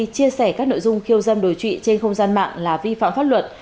chia sẻ các nội dung khiêu dâm đồ trị trên không gian mạng là vi phạm pháp luật